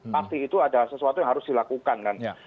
pasti itu ada sesuatu yang harus dilakukan kan